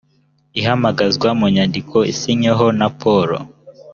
ihamagazwa mu nyandiko isinyweho na poolo